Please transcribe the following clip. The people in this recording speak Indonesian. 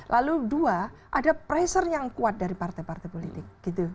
lalu dua ada pressure yang kuat dari partai partai politik